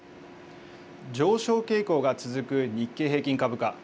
上昇傾向が続く日経平均株価。